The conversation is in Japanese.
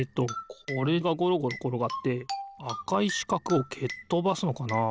これがゴロゴロころがってあかいしかくをけっとばすのかな？